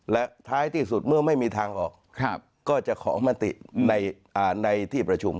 และท้ายที่สุดเมื่อไม่มีทางออกก็จะขอมติในที่ประชุม